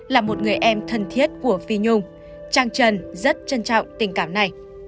là một người em thân thiết của phi nhung trang trần rất trân trọng tình cảm này